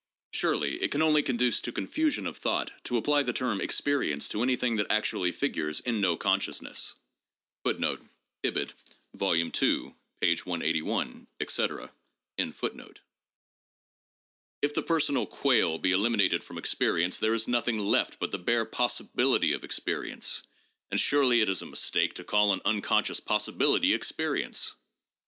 Surely it can only conduce to confusion of thought to apply the term experience to anything that actually figures in no consciousness. 2 If the personal quale be eliminated from experience there is nothing left but the bare possibility of experience, and surely it is a mistake to call an unconscious possibility experience?